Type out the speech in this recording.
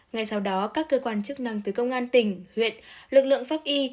ngay sau đó các cơ quan chức năng từ công an tỉnh huyện lực lượng pháp y